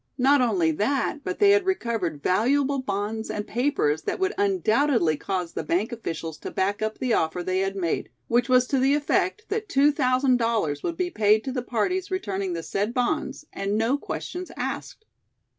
Not only that, but they had recovered valuable bonds and papers, that would undoubtedly cause the bank officials to back up the offer they had made, which was to the effect that two thousand dollars would be paid to the parties returning the said bonds, and no questions asked.